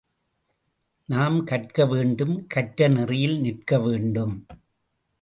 நாம் கற்க வேண்டும் கற்றநெறியில் நிற்க வேண்டும்.